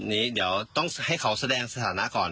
นี้เดี๋ยวต้องให้เขาแสดงสถานะก่อน